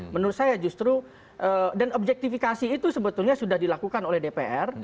menurut saya justru dan objektifikasi itu sebetulnya sudah dilakukan oleh dpr